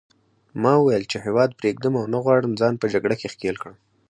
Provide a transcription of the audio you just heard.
ما وویل چې هیواد پرېږدم او نه غواړم ځان په جګړه کې ښکېل کړم.